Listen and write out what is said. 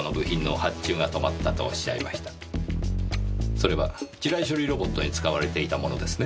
それは地雷処理ロボットに使われていたものですね？